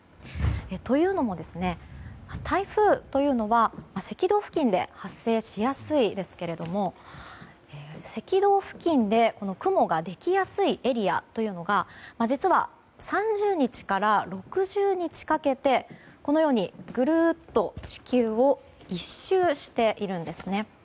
というのも、台風というのは赤道付近で発生しやすいですが赤道付近で雲ができやすいエリアというのが実は３０日から６０日かけてこのように、ぐるっと地球を１周しているんですね。